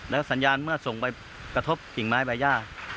สัญญาณเมื่อส่งไปกระทบกิ่งไม้ใบย่า